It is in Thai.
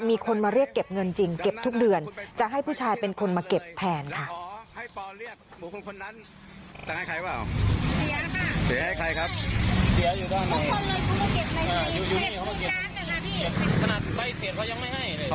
มีคนมาเรียกเก็บเงินจริงเก็บทุกเดือนจะให้ผู้ชายเป็นคนมาเก็บแทนค่ะ